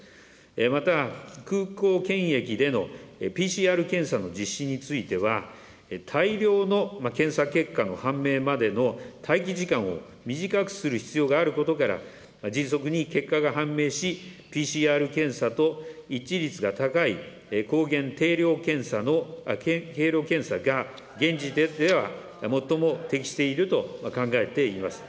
また空港検疫でのＰＣＲ検査の実施については、大量の検査結果の判明までの待機時間を短くする必要があることから、迅速に結果が判明し、ＰＣＲ検査と一致率が高い、抗原定量検査が現時点では最も適していると考えています。